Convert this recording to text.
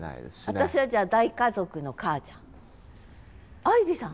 私はじゃあ大家族の母ちゃん。愛莉さん？